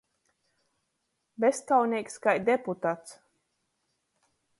Bezkauneigs kai deputats.